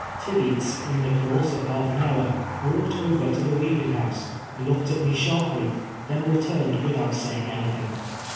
Tibeats, in the couree of lialf an hour, ■walked over to the ■\vcaving house, looked at me sharply, then re turiKMl without sayin<^ anything.